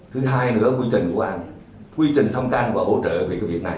thứ hai nữa quy trình của anh quy trình thông can và hỗ trợ về cái việc này